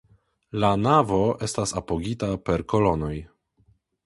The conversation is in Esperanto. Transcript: La navo estas apogita per kolonoj.